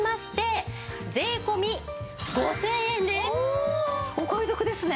お買い得ですね。